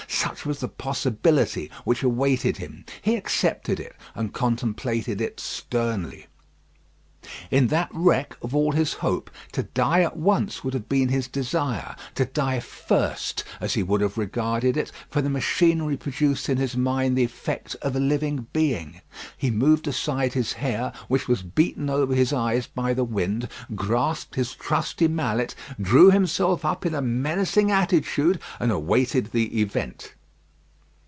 Such was the possibility which awaited him. He accepted it, and contemplated it sternly. In that wreck of all his hope, to die at once would have been his desire; to die first, as he would have regarded it for the machinery produced in his mind the effect of a living being. He moved aside his hair, which was beaten over his eyes by the wind, grasped his trusty mallet, drew himself up in a menacing attitude, and awaited the event.